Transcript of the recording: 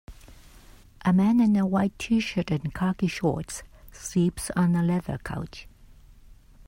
A man in a white tshirt and khaki shorts sleeps on a leather couch.